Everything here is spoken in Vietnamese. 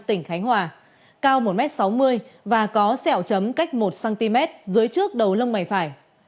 tỉnh khánh hòa cao một m sáu mươi và có sẹo chấm cách một cm dưới trước đầu lông mày phải